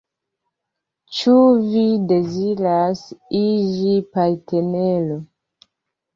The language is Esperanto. Ĉu vi deziras iĝi partnero?